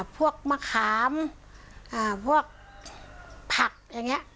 พวกมะขามพวกผักอย่างนี้